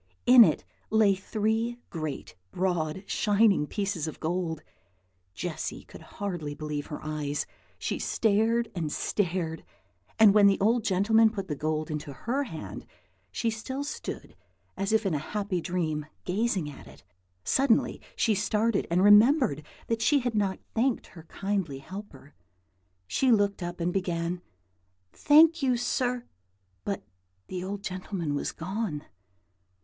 In it lay three great, broad, shining pieces of gold! Jessy could hardly believe her eyes. She stared and stared; and when the old gentleman put the gold into her hand, she still stood as if in a happy dream, gazing at it. Suddenly she started, and remembered that she had not thanked her kindly helper. She looked up, and began, "Thank you, sir;" but the old gentleman was gone.